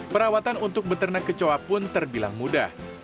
perawatan untuk beternak kecoa pun terbilang mudah